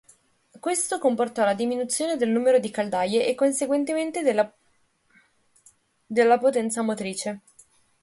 Questo comportò la diminuzione del numero di caldaie e conseguentemente della potenza motrice.